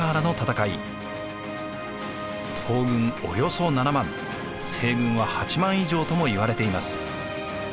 およそ７万西軍は８万以上ともいわれています。